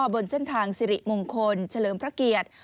บนเส้นทางสิริมงคลเฉลิมพระเกียรติ